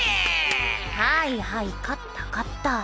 はいはい勝った勝った。